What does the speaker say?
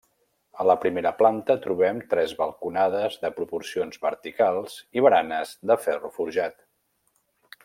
A la primera planta trobem tres balconades de proporcions verticals i baranes de ferro forjat.